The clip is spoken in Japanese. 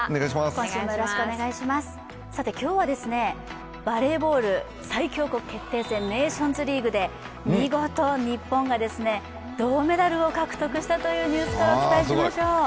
今日はバレーボール最強国決定戦ネーションズリーグで見事、日本が銅メダルを獲得したというニュースからお伝えしましょう。